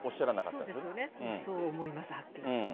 そうですよね、そう思います、はっきりと。